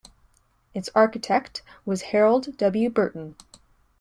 Its architect was Harold W. Burton.